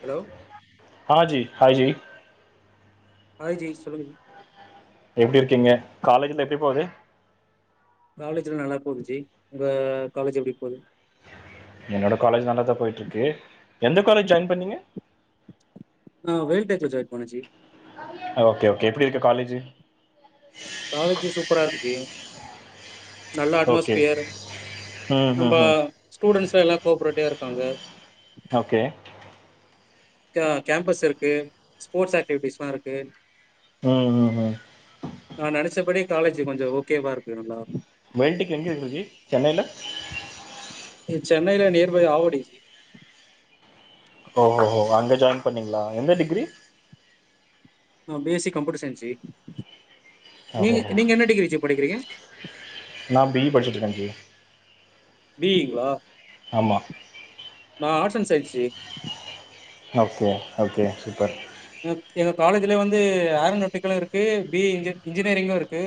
Hello ஹா ஜி ஹா ஜி ஹாய் ஜி சொல்லுங்க ஜி எப்டி இருக்கீங்க காலேஜ்லா எப்டி போது காலேஜ்லா நல்லா போது ஜி ஒங்க காலேஜ் எப்டி போது என்னோட காலேஜ் நல்லாதா போயிட்ருக்கு எந்த காலேஜ் ஜாயின் பண்ணீங்க நா ஒயில்டெக்ல ஜாயின் பண்ணே ஜி ஓகே ஓகே எப்டி இருக்கு காலேஜி காலேஜி சூப்பரா இருக்கு ஜி நல்ல ஓகே அட்மோஸ்பியர் ம் நம்ப ம் ம் ஸ்டூடெண்ட்ஸ் எல்லா கோப்ரேட்டவா இருக்காங்க ஓகே கே கேம்பஸ் இருக்கு ஸ்போர்ட்ஸ் ஆக்டிவிட்டிஸ் எல்லா இருக்கு ம் ம் ம் நா நினைச்சபடியே காலேஜ் கொஞ்சே ஓகே வா இருக்கு நல்லா வேல்டக்கு எங்கே இருக்கு ஜி சென்னையில சென்னையில நேர் வழி ஆவுடி ஓ ஓ ஓ ஓ அங்க ஜாயின் பண்ணிங்களா எந்த டிகிரி ஆ B S C computer science ஜி நீங்க ஓஹோஹோ நீங்க என்ன டிகிரி ஜி படிக்கிறீங்க நா பி இ படிச்சிட்டு இருக்கே ஜி பீயி ங்களா ஆமா நா ஆர்ட்ஸ் அண்ட் சயின்ஸ்சு ஜி ஓகே ஓகே சூப்பர் எங்க எங்க காலேஜ்ல வந்து ஆரநோட்டிகளு இருக்கு பி இ இன்ஜி இன்ஜினியரிங்கு இருக்கு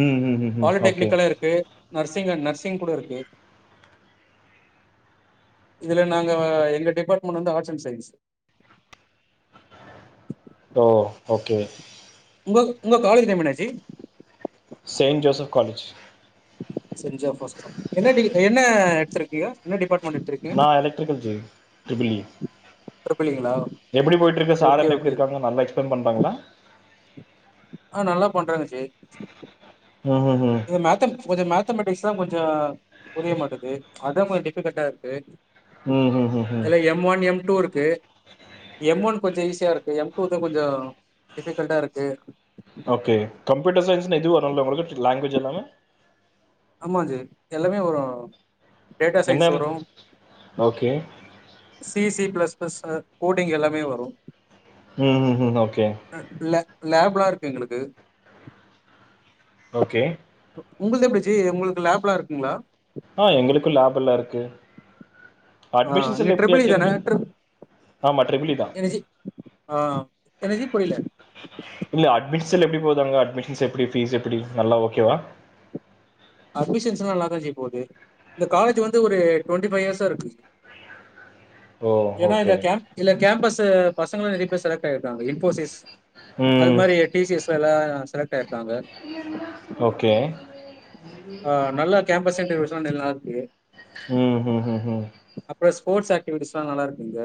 ம் ம் ம் ம் ஓகே பாலிடெக்னிக்களு இருக்கு நர்சிங் நர்சிங் கூட இருக்கு இதுல நாங்க எங்க டிபார்ட்மெண்ட் வந்து ஆர்ட்ஸ் அண்ட் சயின்ஸ்சு ஓ ஓகே உங்க உங்க காலேஜ் டைம் என்னா ஜி செயின்ட் ஜோசப் காலேஜ் செஜ் ஜோசப் ஆட்ஸ் தா என்ன டி என்ன எடுத்துருக்கீங்க என்ன டிப்பார்மெண்டு எடுத்துருக் நா எலெக்ட்ரிக்கல் ஜி ட்ரிபிள் இ ட்ரிபிள் இ ங்களா எப்புடி போய்யிட்டுருக்கு சார் ஓகே எல்லா எப்புடி ஓகே இருக்காங்க நல்லா எக்ஸ்பிளைன் பண்ணுறாங்களா ஆ நல்லா பண்றாங்க ஜி ம் ம் இது மேத்த கொஞ்சே மேத்தமெட்டிக்ஸ் தா கொஞ்சே புரிய மாட்டேங்து அத கொஞ்சே டிஃபிகல்ட்டா இருக்கு ம் ம் ம் ம் இதுல எம் ஒன் எம் டூ இருக்கு எம் ஒன்னு கொஞ்சே ஈஸியா இருக்கு எம் டூ இது கொஞ்சே டிஃபிகல்ட்டா இருக்கு ஓகே கப்யூட்டர் சயின்ஸ்னு எதுவு வரும்ல உங்களுக்கு லாங்குவேஜ் எல்லாமே ஆமா ஜி எல்லாமே வரும் டேட்டா சயின்ஸ் என்ன வரும் okay C C plus plus coding எல்லாமே வரும் ம் ம் ம் ஓகே ஆ லேப் லேப்லா இருக்கு எங்களுக்கு ஓகே ஓ உங்களுது எப்புடி ஜி உங்களுக்கு லேப்லா இருக்குங்களா ஆ எங்களுக்கு லேப் எல்லா இருக்கு ஆ அட்மிஷன்ஸ் நீங்க எல்லாம் எப்படி ட்ரிபிள் இ ஆக்கி தானே எங்களுக்கு ட்ரிப் ஆமாம் ட்ரிபிளி தான் என்ன ஜி ஆ என்ன ஜி புரியில இல்ல அட்மிஷல் எப்புடி போது அங்க அட்மிஷன்ஸ் எப்புடி பீஸ் எப்புடி நல்லா ஓகேவா அட்மிஷன்ஸ் எல்லா நல்லா தா ஜி போகுது இந்த காலேஜ் வந்து ஒரு டுவெண்ட்டி பைய் இயர்ஸா இருக்கு ஓ ஏன்னா ஓகே இந்த கேம் இல்ல கேம்பஸ்சு பசங்களா நெறைய பேரு செலக்ட் ஆயிருக்காங்க இன்போசிஸ் அது ம் மாறி டிசிஎஸ்ல எல்லா செலக்ட் ஆயிருக்காங்க ஓகே ஆ நல்லா கேம்பஸ் இன்டர்விசு எல்லா நல்லா இருக்கு ம் ம் ம் ம் அப்றோ ஸ்போட்ஸ் ஆக்டிவிட்டிஸ்லா நல்லா இருக்கு இங்க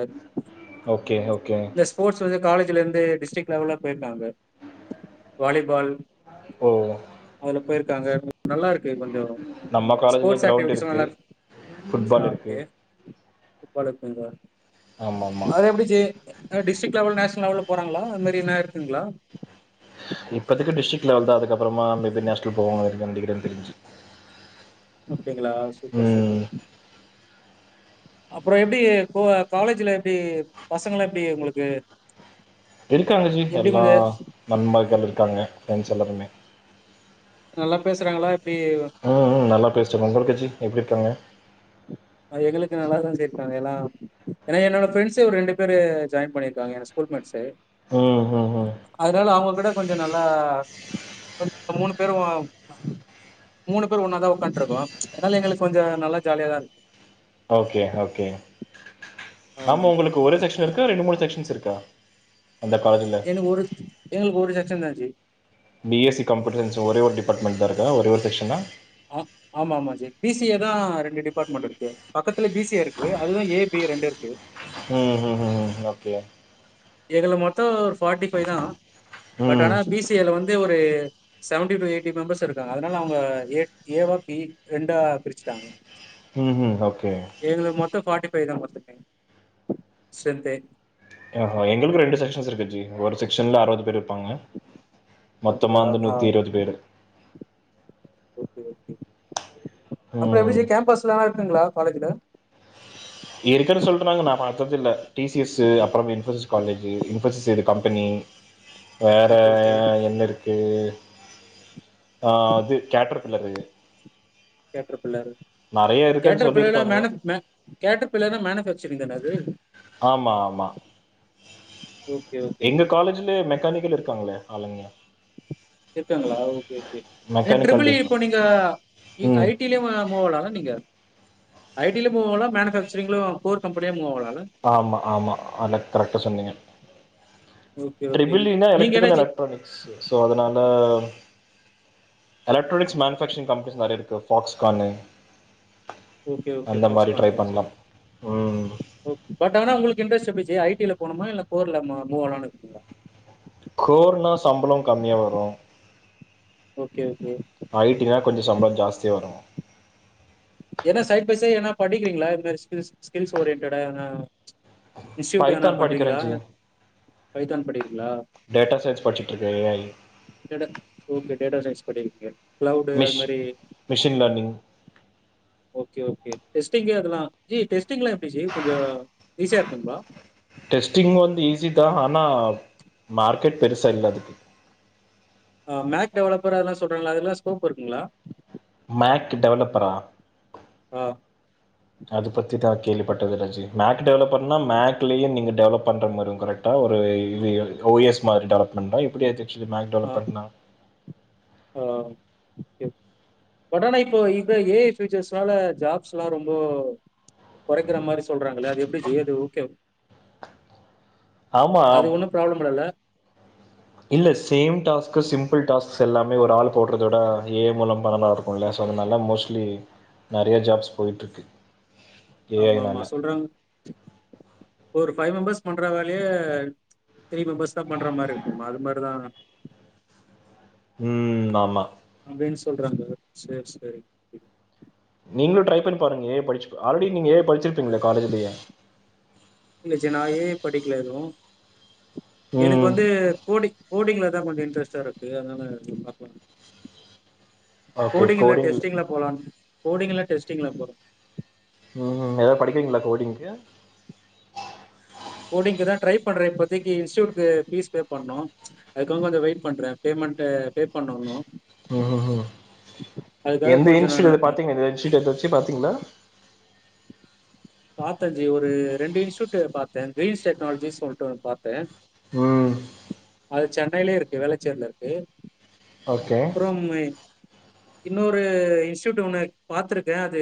ஓகே ஓகே எஸ் ஸ்போட்ஸ் வந்து காலேஜ்லருந்து டிஸ்ட்ரிக் லெவல்ல போய்ருக்காங்க வாலிபால் ஓ அதுல போயிருக்காங்க நல்லா இருக்கு கொஞ்சோ நம்ம காலேஜ்லேயே ஸ்போர்ட்ஸ் கிரவுண்ட் ஆக்டிவிட்டிஸ்லா நல்லா இருக்குது இருக் ஆ ஃபுட்பால் ஓகே இருக்குது ஆமா ஆமா அது எப்புடி ஜி அ டிஸ்டிக் லெவல் நேனல் லெவல்ல போறங்களா அது மாரி என்ன இருக்குங்ளா இப்பத்துக்கு டிஸ்டிக் லெவல் தா அதுக்கப்புறா மேபி நேஸ்னல் போவாங்களாட்டுக்கு நெனைக்கிற தெரிஞ்சி அப்டிங்களா சூப்பர் ம் சூப்பர் அப்ற எப்டி கோ கலேஜில எப்டி பசங்களா எப்டி உங்களுக்கு இருக்குறாங்க ஜி எப்டி எல்லா கொஞ்ச நம்மகள் இருக்காங்க ஃப்ரெண்ட்ஸ் எல்லாருமே நல்லா பேசறாங்ளா எப்டி ம் ம் நல்லா பேசறாங்க உங்களுக்கு ஜி எப்டி இருக்காங்க அ எங்களுக்கு நல்லாதா ஜி இருக்கறாங்க எல்லா ஏனா என்னோட ஃப்ரெண்ட்ஸே ஒரு ரெண்டு பேரு ஜாயின் பண்ணிருக்காங்க எங்க ஸ்கூல் மெட்ஸு ம் ம் ம் அதனால அவுங்க கூட கொஞ்சோ நல்லா ஒரு நாங்க மூணு பேரு மூணு பேரு ஒன்னாதா உக்கான்ட்ருக்கோ அதனால எங்களுக்கு கொஞ்சோ நல்லா ஜாலியா தா இருக் ஓகே ஓகே ஆமா ஆ ஒங்களுக்கு ஒரு செக்க்ஷன் இருக்கா ரெண்டு மூணு செக்க்ஷன்ஸ் இருக்கா அந்த [unintelligible] எனக் ஒரு எங்களுக்கு ஒரு செக்க்ஷன் தா ஜி B S C computer science ஒரே ஒரு டிபார்ட்மெண்ட் தா இருக்கா ஒரே ஒரு செக்க்ஷனா ஆம் ஆமா ஆமா ஜி பி சி ஏ தா ரெண்டு டிபார்ட்மெண்ட் இருக்கு பக்கத்துல பி சி ஏ இருக்கு அதுலதா ஏ பி ரெண்டு இருக்கு ம் ம் ம் ம் ஓகே ஓகே எதுள மொத்தோ ஒரு ஃபார்ட்டி ஃபைவ் தா பட் ம் ஆனா பி சி ஏல வந்து ஒரு செவன்டி ஃபைவ் எயிட்டி மெம்பர்ஸ் இருக்காங்க அதனால அவுங்க ஏ ஏவா பி ரெண்டா பிரிச்சிட்டாங்க ம் ம் ஓகே எங்ளுது மொத்தோ ஃபாட்டி ஃபைவ் தா என்னமோ ஸ்டெரென்த்தே ஸ்டெரென்த்தே ஆஹா எங்களுக்கு ரெண்டு செக்க்ஷன்ஸ் இருக்கு ஜு ஒரு செக்க்ஷன்ல அறுவது பேர் இருப்பாங்க மொத்தமா அப்படிங்களா வந்து ஆ நூத்தி இருவது பேரு அப்பற எப்டி ம் ஜீ கேம்பஸ்லலா இருக்குங்ளா காலேஜ்ல இருக்குனு சொல்றாங்க நா பாத்தது இல்ல டி சி எஸு அப்பறோ Infosys college Infosys aided company வேற ஓகே ஓகே என்ன இருக் கு ஆ அது கேட்டர் பில்லரு கேட்டர் பில்லரு நெறைய இருக்குன்னு கேட்டர் பில்லர்ளா சொல்லிருக்காங்க மேன மே கேட்டர் பில்லர்னா மேனபேச் செரி தானா அது ஆமா ஆமா ஓகே ஓகே காலேஜ்லே மெக்கானிக்கல் இருக்காங்களே ஆளுங்க இருக்காங்களா ஓகே ஓகே அ மெக்கானிக்கல் ட்ரிபிள் ஈ டிப்பா இப்போ நீங்க இ ஐ ம் டியிலு ம மூவாளாள நீங்க ஐ டில போலா மேனு பேக்சரிங்லோ கோர் கம்பனியா மூவாகளா இல்ல ஆமா ஆமா அத்ல கரெக்டா சொன்னிங்க ஓகே, ஓகே. ட்ரிபில் ஈனா நீங்க என்ன எலக்ட்ரிக்கல் ஜி எலக்ட்ரானிக்ஸ் சோ அதனால எலக்ட்ரானிக்ஸ் மேனிப்பேக்சரிங்ஸ் கம்பனிஸ் நெறைய இருக்கு ஃபாக்ஸ்கானு ஓகே, ஓகே. அந்த மாரி ட்ரை பண்லாம் ம் ஓ பட் ஆனா உங்களுக்கு இன்டரஸ்ட் எப்டி ஜீ ஐ டில போனுமா இல்ல கோர்ல மூ மூவால்னு இருக்கீங்ளா கோர்னா சம்பளோ கம்மியா வரு ஓகே, ஓகே. ஐ டினா கொஞ்ச சம்பள ஜாஸ்தியா வரு என்னா சைட் பை சைட் எனா படிக்கிறீங்களா இ மாரி ஸ்கில்ஸ் ஸ்கில்ஸ் ஓரின்யன்டடா எனா இன்ஸ்டியூட் எதனா பைத்தான் பண்றீங்களா படிக்கிறேன் ஜி பைத்தான் படிறீங்களா டேட்டா சைன்ஸ் படிசிட்ருக்க A I data okay data science படிகிறிங்க கிளைவுடு அது மிஷ் மாரி machine learning okay okay testing அதல்லா ஜீ டெஸ்டிங்லா எப்டி ஜீ கொஞ்ச ஈஸியா இருக்குங்களா டெஸ்ட்டிங் வந்து ஈஸிதா ஆனா மார்க்கெட் பெருசல்ல அதுக்கு ஆ மேக் டெவலப்பர் அதல்லா சொல்றங்களா அதல்லா ஸ்கோப் இருக்குங்களா மேக்டு டெவலப்பரா ஆ, அது பத்தி தா கேள்விப்பட்டது இல்ல ஜீ மேக்டு டெவலப்பர்னா மேக்டுலயே நீங்க டெலப் பண்ற மாரி வரு கரக் ட்டா ஒரு இது ஓ எஸ் மாரி டெவலமெண்டா ஆ எப்டி அது [unintelligible] மேக் ஆ, டெவலப்மெண்ட்னா ஆ [unintelligible] பட் ஆனா இப்போ இது ஏ ஐ ப்ஃபியூச்சர்ஸ்னால ஜாப்ஸ்லா ரொம்போ கொறைக்கிற மாரி சொல்றாங்களே அது எப்டி ஜீ அது ஓகே ஆமா அது ஒன்னு ப்ராப்ளம் இல்லல்ல இல்ல சேம் டாஸ்கு சிம்பிள் டாஸ்க்ஸ் எல்லாமே ஒரு ஆள் போடுறத விட ஏ ஐ மூலம் [unintelligible] போல சோ அதனால மோஸ்ட்லி நெறைய ஜாப்ஸ் போயிட்டுருக்கு ஆமாமா சொல்றாங் [inaudible] ஒரு ஃபைவ் மெம்பர்ஸ் பண்ற வேலயே த்ரீ மெம்பர்ஸ் தா பண்ற மாரி இருக்குமா அது மாரிதா ம் ஆமா அப்டின் சொல்றாங்க சேர் செரி நீங்களு ட்ரை பண்ணி பாருங்க ஏ ஐ படிச்சு ஆல்ரடி நீங்க ஏ ஐ படிசிருப்பீங்ளா காலஜ்லயே இல்ல ஜீ நா எ ஐ படிக்கல எது எனக்கு ம் வந்து கோடிங் கோடிங்ல தா கொஞ்ச இன்ட்ரெஸ்டா இருக்கு அதனால பாக்லா ஓகே கோடிங் இல்ல கோடிங்ல டெஸ்டிங்ல போலான் போடிங் இல்ல டெஸ்டிங்ல போல ம் ஏதா படிக்கிறீங்களா கோடிங்கு கோடிங்குதா ட்ரை பண்ற இப்போதிக்கு இன்ஸ்டியூட்க்கு பீஸ் பே பண்ணு அதுக்கவங் கொஞ்ச வெயிட் பண்றே பேமெண்ட் பே பண்ணணு ம் ம் ம் எந்த கொஞ்சம் இன்ஸ்டூட் எத நான் பாத்தீங்கள ஏதாச்சு இன்ஸ்டூட் ஏதாச்சு பாத்தீங்களா பாத்தே ஜி ஒரு ரெண்டு இன்ஸ்டூட்டு பாத்தே கிரீன்ஸ் டெக்னாலஜி சொல்ட்டு ஒன்னு பாத்தே ம் அது சென்னையிலயே இருக்கு வேலச்சேரிலருக்கு ஓகே அப்பறம் இன்னொரு இன்ஸ்டியூட் ஒண்ணு பாத்துருக்கே அது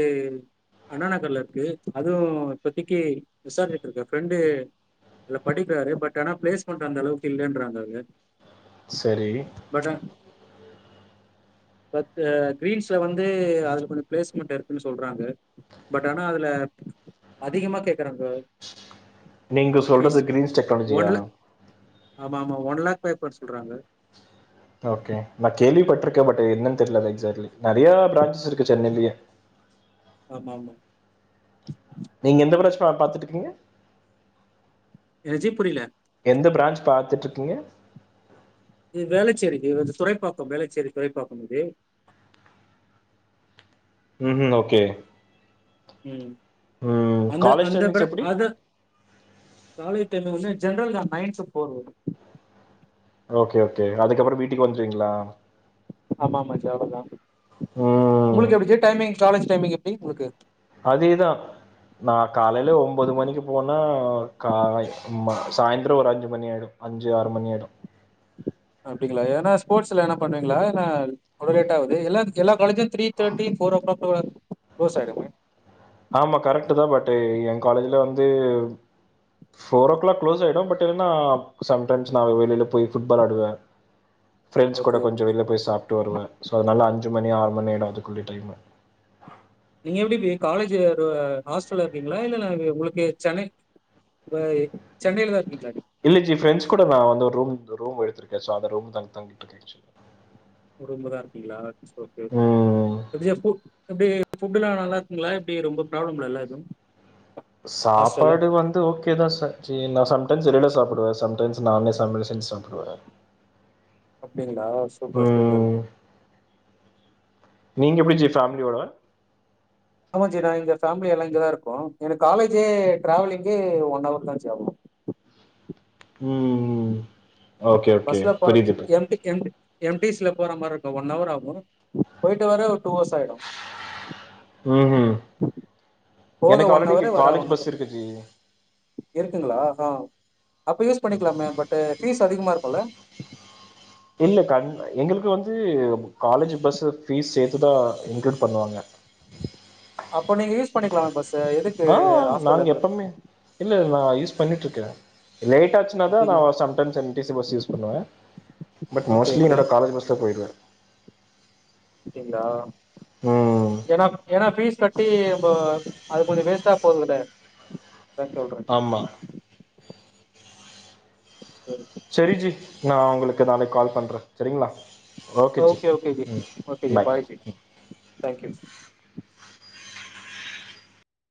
அண்ணா நகர்ல இருக்கு அதுவு இப்பத்திக்கு விசாரிச்சுட்டு இருக்க ஃப்ரெண்டு அதுல படிக்கிறாரு பட் ஆனா பிளேஸ்மெண்ட் அந்தளவுக்கு இல்லன்றாங்க அங்க செரி பட் ஆ பட் கிரீன்ஸ்ல வந்து அதுல கொஞ்ச பிளேஸ்மெண்ட் இருக்குன் சொல்றாங்க பட் ஆனா அதுல அதிகமா கேக்குறாங்க நீங்கள் சொல்றது ஃபீஸ். கிரீன்ஸ் டெக்னாலஜியா ஆமா ஆமா ஒன் லாக் பே பண் சொல்றாங்க ஓகே நா கேள்விப்பட்ருக்கே பட் என்னன் தெர்லா எக்ஸாக்ட்லி நறையா பிராஞ்ஸ் இருக்கு சென்னைலியே ஆமா ஆமா நீங்க எந்த பிரான்ச்பா பாத்துட்ருக்கீங்க என்ன ஜி புரில எந்த பிராஞ்ச் பாத்துட்ருக்கீங்க இது வேளச்சேரி இது வந்து துறைப்பாக்கம் வேளச்சேரி துறைப்பாக்கம் ஜி ம் ம் ஓகே ம் ம். அந்த காலேஜ் அந்த டைமிங்ஸ் பிளான் எப்படி? அது காலேஜ் டைம்ல வந்து ஜென்ரல்தா நைன் டூ ஃபோர் வர்து ஓகே ஓகே அதுகப்றோ மீட்டிங் வந்ருவீங்ளா ஆமா ஆமா ஜி அவ்ளோதா ம். உங்ளுக்கு எப்டி ஜி டைமிங் காலேஜ் டைமிங் எப்டி உங்ளுக்கு அதேதா நா காலைல ஒம்போது மணிக்கு போனா கா மா சாய்ந்ரோ ஒரு அஞ்சு மணி ஆயிடு அஞ்சு ஆறு மணி ஆயிடு அப்டிங்ளா எதுனா ஸ்போர்ட்ஸ்லா எதுனா பண்வீங்களா இல்ல அவ்ளோ லேட் ஆவுது எல்லா எல்லா காலேஜூ த்ரீ தேட்டி ஃபோர் ஓ கிளாக் ஓட கிளோஸ் ஆய்டுங்க ஆமா கரெக்ட்தா பட் எ காலேஜ்ல வந்து ஃபோர் ஓ கிளாக் குளோஸ் ஆய்டு பட் என்னன்னா சம்டைம்ஸ் நா வெளியில போய் ஃபுட்பால் ஆடுவே ஃப்ரெண்ட்ஸ் கூட ஓகே, கொஞ்ச ஓகே. வெள்ல போய் சாப்ட்டு வருவே சோ அதனால அஞ்சு மணி ஆறு மணி ஆயிடு அதுக்குள்ளே டைமு நீங்க எப்டி பி காலேஜ் ஹாஸ்டல்ல இருக்கீங்களா இல்ல உங்களுக்கு சென்னை சென்னையிலதா இருக்கு பிளாட்டு இல்ல ஜி ஃப்ரெண்ட்ஸ் கூட நா வந்து ஒரு ரூம் ரூம் எடுத்திருக்கே சோ அந்த ரூம் த தங்கிட்ருக்கே ஜி ரூம்லதா இருக்கீங்களா இட்ஸ் ஓகே ம் [unintelligible] எப்டி ஃபுட்டு்ல்லா நல்லாருக்குங்ளா எப்டி ரொம்ப ப்ராப்ளம் இல்லல எதுவு சாப்பாடு வந் து ஓகே தா சச்சின் நா சம்டைம்ஸ் வெளில சாப்புடுவே சம்டைம்ஸ் நானே சமயல் செஞ்சு சாப்டுவே அப்டிங்களா சூப்பர் சூப்பர் ம் நீங்க எப்டி ஜி ஃபேமிலியோடவா ஆமா ஜி நா இங்க ஃபேமிலியேல்லா இங்கதா இருக்கோ எனக் காலேஜே டிராவலிங்கே ஒன் ஹவர் தா ஜி ஆகு ம் ம் ம் ஓகே ஓகே புரியுது புரி [unintelligible] எம் டி சில போற மாரி இருக்கு ஒன் ஹவர் ஆகு போயிட்டு வர ஒரு டூ ஹவர்ஸ் ஆய்டு ம் போக எனக்கு ஒன் ஆல்ரெடி ஹவர் இங்க வர காலேஜ் ஒன் பஸ் ஹவர் இருக்கு ஜி இருக்குங்களா ஆ அப்ப யூஸ் பண்ணிக்கலாமே பட்டு ஃபீஸ் அதிகமா இருக்கும்ல இல்ல கண் எங்களுக்கு வந்து காலேஜ் பஸ்ஸு ஃபீஸ் சேத்துதா இன்குளூட் பண்ணுவாங்க அப்ப நீங்க யூஸ் பண்ணிக்கலா பஸ்ச எதுக் ஆ நாங்க எப்பமே இல்ல நா யூஸ் பண்ணிட்ருக்கே லேட்டாச் சுன்னாதா நா அப்டிங் sometimes N T C bus use பண்ணுவே பட் ஓகே மோஸ்ட்லி ஓகே என்னோட காலேஜ் பஸ்லே போயிடுவே அப்டிங்களா ம் ஏன்னா ஏன்னா ஃபீஸ் கட்டி இப்போ அது கொஞ்சோ வேஸ்ட்டா போதுல அதா சொல்றேப்டி ஆமா சேரி சேரி ஜி நா உங்களுக்கு நாளைக் கால் பண்றே சேரிங்ளா ஓகே ஓகே ஜ ஓகே ஜி பாய் ஜி டேங்க்யூஸ்